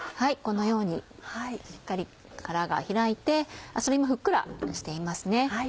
このようにしっかり殻が開いてあさりもふっくらしています。